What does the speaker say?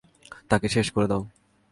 তাকে শেষ করে দাও।